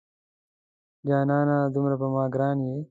جانانه دومره په ما ګران یې